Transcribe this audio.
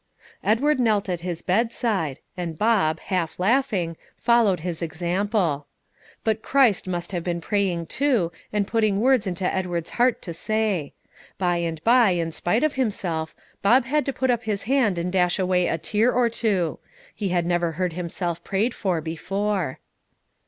Edward knelt at his bedside, and Bob, half laughing, followed his example. But Christ must have been praying too, and putting words into Edward's heart to say. By and by, in spite of himself, Bob had to put up his hand and dash away a tear or two. He had never heard himself prayed for before.